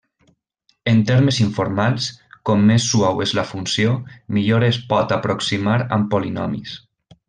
En termes informals, com més suau és la funció, millor es pot aproximar amb polinomis.